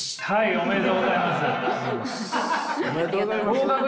おめでとうございます。